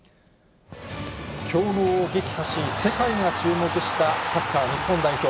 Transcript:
強豪を撃破し、世界が注目したサッカー日本代表。